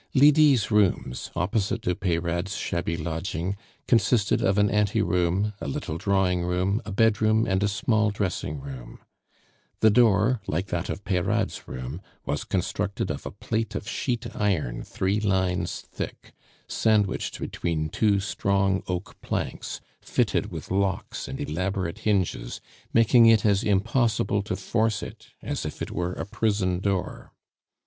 Lydie's rooms, opposite to Peyrade's shabby lodging, consisted of an ante room, a little drawing room, a bedroom, and a small dressing room. The door, like that of Peyrade's room, was constructed of a plate of sheet iron three lines thick, sandwiched between two strong oak planks, fitted with locks and elaborate hinges, making it as impossible to force it as if it were a prison door.